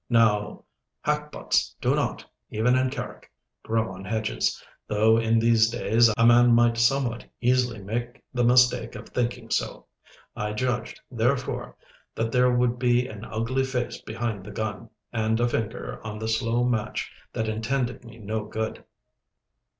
Now hackbutts do not, even in Carrick, grow on hedges, though in these days a man might somewhat easily make the mistake of thinking so. I judged, therefore, that there would be an ugly face behind the gun, and a finger on the slow match that intended me no good.